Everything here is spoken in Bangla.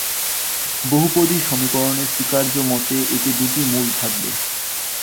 বহুপদী সমীকরণের স্বীকার্য মতে এতে দুইটি মূল থাকবে।